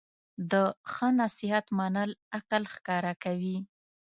د ښه نصیحت منل عقل ښکاره کوي.